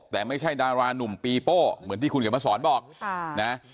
แต่ไม่ใช่ดารานุ่มปีโป้เหมือนที่คุณเขียนมาสอนบอกนะ